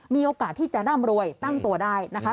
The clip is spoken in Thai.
มีโอกาสที่จะร่ำรวยตั้งตัวได้นะคะ